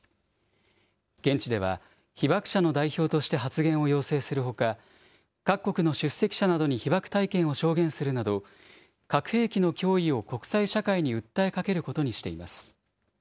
現地では被爆者の代表として発言を要請するほか、各国の出席者などに被爆体験を証言するなど、核兵器の脅威を国際社会に訴えかけることにしています。